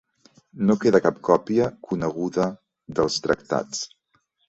No queda cap còpia coneguda dels tractats.